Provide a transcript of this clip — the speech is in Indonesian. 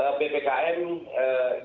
atau bisa jadi terakhir pemberlakuan ppkm